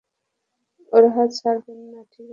ওর হাত ছাড়বেন না, ঠিক আছে?